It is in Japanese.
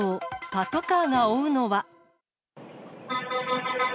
パトカーが追うのは？